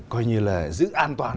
coi như là giữ an toàn